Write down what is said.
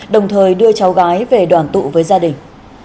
đồng thời đưa cháu gái về đoàn tụ với gia đình